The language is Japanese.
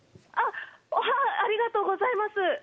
ありがとうございます。